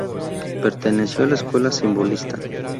Perteneció a la escuela simbolista.